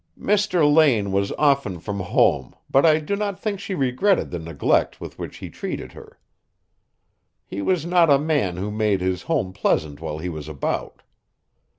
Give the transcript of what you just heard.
Mr. Lane was often from home, but I do not think she regretted the neglect with which he treated her. He was not a man who made his home pleasant while he was about.